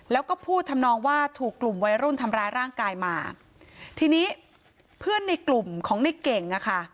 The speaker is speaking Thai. แล้วก็พูดทำนองว่าถูกกลุ่มวัยรุ่นทำร้ายร่างกายมาทีนี้เพื่อนในกลุ่มของในเก่งอ่ะค่ะ